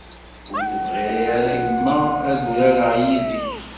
Ur tebɣi ara yemma ad urareɣ yid-k.